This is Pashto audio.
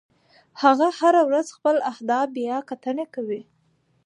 هغه هره ورځ خپل اهداف بیاکتنه کوي.